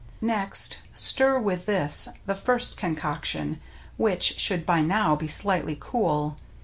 Next stir with this the first concoction (Which should by now be slightly cool).